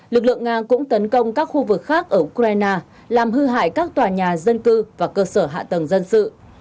lực lượng nga cũng tấn công các khu vực khác ở ukraine làm hư hại các tòa nhà dân cư và cơ sở hạ tầng dân sự